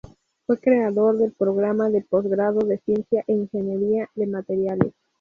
Fue creador del Programa de Posgrado en Ciencia e Ingeniería de Materiales.